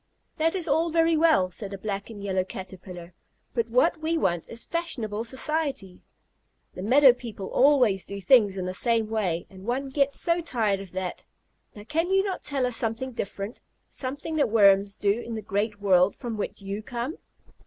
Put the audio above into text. "That is all very well," said a black and yellow Caterpillar, "but what we want is fashionable society. The meadow people always do things in the same way, and one gets so tired of that. Now can you not tell us something different, something that Worms do in the great world from which you come?"